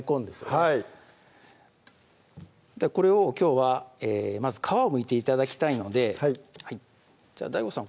はいこれをきょうはまず皮をむいて頂きたいのでじゃあＤＡＩＧＯさん